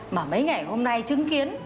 mà mấy ngày hôm nay chứng kiến